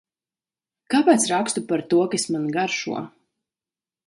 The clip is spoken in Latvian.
Kāpēc rakstu par to, kas man garšo?